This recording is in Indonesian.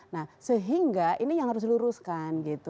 nah sehingga ini yang harus diluruskan gitu